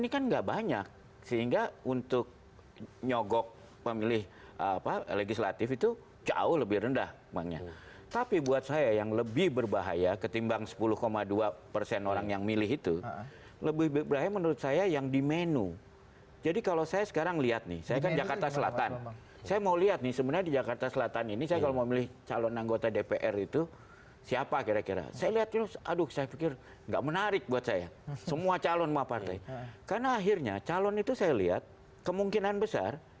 kepala kepala kepala kepala kegala kepala kepala kepala kepala kepala kepala kepala kepala likes